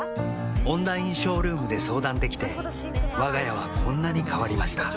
オンラインショールームで相談できてわが家はこんなに変わりました